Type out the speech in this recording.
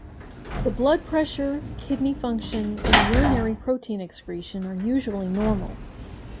The blood pressure, kidney function, and the urinary protein excretion are usually normal.